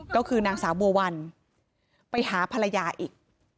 ก็คือนางสาวบัววันไปหาภรรยาอีก